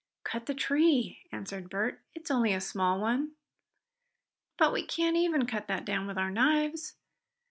"Cut the tree," answered Bert. "It's only a small one." "But we can't even cut that down with our knives."